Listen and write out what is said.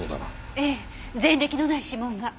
ええ前歴のない指紋が。